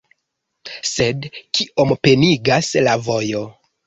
Sed kiom penigas la vojo..